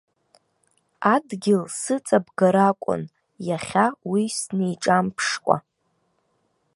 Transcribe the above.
Адгьыл сыҵабгар акәын, иахьа уи сниҿамԥшкәа!